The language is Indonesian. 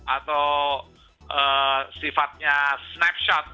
atau sifatnya snap shot